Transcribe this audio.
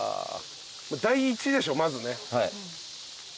第１でしょまずね。